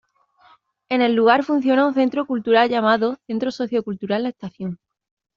En el lugar funciona un centro cultural llamado ""Centro Socio Cultural La Estación"".